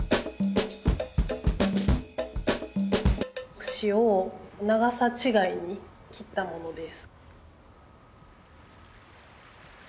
クシを長さちがいに切ったものです。